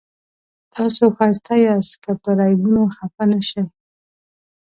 تاسو ښایسته یاست که پر عیبونو خفه نه شئ.